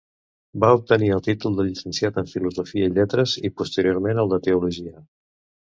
Va obtenir el títol de llicenciat en Filosofia i Lletres i posteriorment el de Teologia.